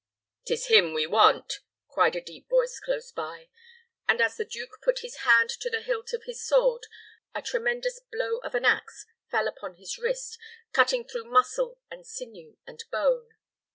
"'Tis him we want," cried a deep voice close by; and as the duke put his hand to the hilt of his sword, a tremendous blow of an ax fell upon his wrist, cutting through muscle, and sinew, and bone.